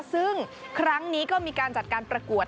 ซึ่งครั้งนี้ก็มีการจัดการประกวด